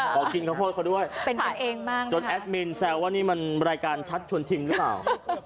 ขอกินข้าวโพสต์เขาด้วยจนแอดมินแซวว่านี่มันรายการชัดชวนชิมหรือเปล่า